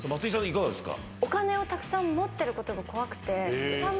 いかがですか？